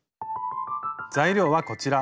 材料はこちら。